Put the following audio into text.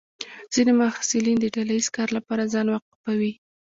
ځینې محصلین د ډله ییز کار لپاره ځان وقفوي.